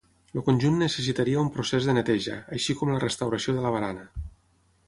El conjunt necessitaria un procés de neteja, així com la restauració de la barana.